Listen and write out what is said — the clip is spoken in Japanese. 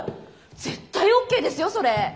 絶対ＯＫですよそれ。